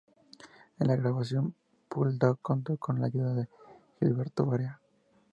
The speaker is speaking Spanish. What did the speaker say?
En la grabación Pull Down contó con la ayuda de Gilberto Barea.